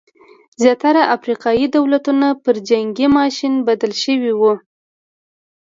زیاتره افریقايي دولتونه پر جنګي ماشین بدل شوي وو.